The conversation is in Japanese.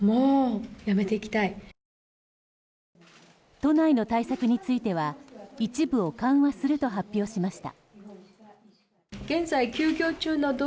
都内の対策については一部を緩和すると発表しました。